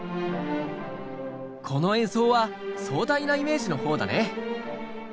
この演奏は壮大なイメージのほうだね。